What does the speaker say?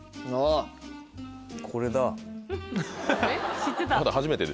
知ってた？